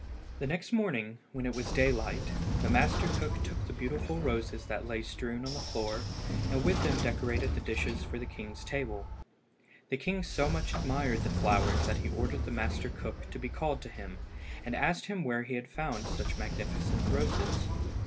The next morning, when it was daylight, the master cook took the beautiful roses that lay strewn on the floor and with them decorated the dishes for the king's table. The king so much admired the flowers that he ordered the master cook to be called to him, and asked him where he had found such magnificent roses.